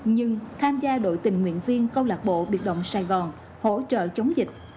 nhưng tham gia đội tình nguyện viên câu lạc bộ biệt động sài gòn hỗ trợ chống dịch